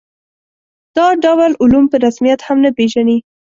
دا ډول علوم په رسمیت هم نه پېژني.